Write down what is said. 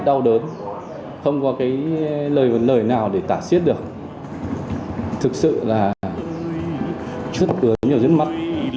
đau đớn không có cái lời nào để tả xiết được thực sự là rất ướt nhỏ dưới mắt